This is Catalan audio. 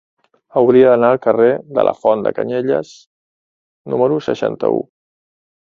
Hauria d'anar al carrer de la Font de Canyelles número seixanta-u.